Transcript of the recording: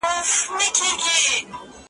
په تاریخ، تمدن، ژبه